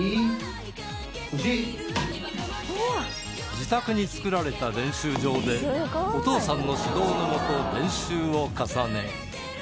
自宅に造られた練習場でお父さんの指導の下練習を重ね